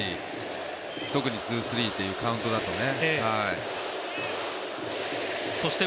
特にツースリーというカウントだとね。